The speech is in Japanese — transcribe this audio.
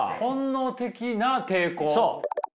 そう。